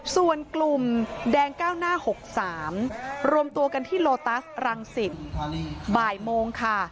ส่วนกลุ่มแดงก้าวหน้า๖๓รวมตัวกันที่โลตัสรังสิตบ่ายโมงค่ะ